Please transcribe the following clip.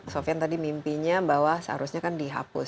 sofian tadi mimpinya bahwa seharusnya kan dihapus